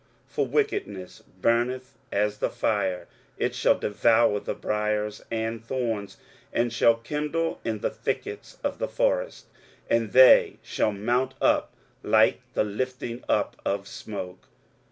23:009:018 For wickedness burneth as the fire: it shall devour the briers and thorns, and shall kindle in the thickets of the forest, and they shall mount up like the lifting up of smoke.